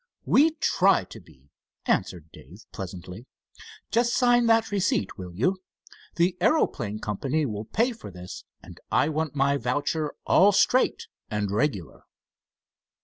"We try to be," answered Dave, pleasantly. "Just sign that receipt, will you? The aeroplane company will pay for this, and I want my voucher all straight and regular."